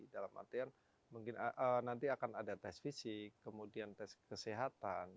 dalam artian mungkin nanti akan ada tes fisik kemudian tes kesehatan